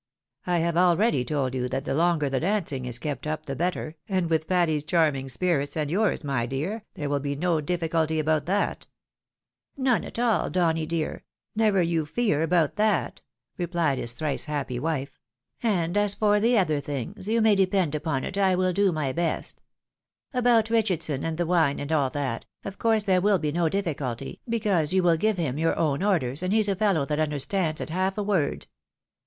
I have already told you that the longer the dancing is kept up the better, and with Patty's charming spirits, and yom's, my dear, there will be no diificulty about that." " None at all, Donny, dear ; never you fear about that," replied his thrice happy wife ;" and as for the other things, you may depend upon it I wiU do my best. About Richardson, and the wine, and all that, of course there will be no difficulty, because you will give him your own orders, and he's a fellow that understands at half a word.